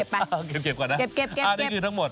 เอ้าเก็บเก็บก่อนนะเก็บเก็บเก็บอันนี้คือทั้งหมด